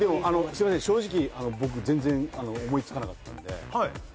正直僕全然思い付かなかったんで。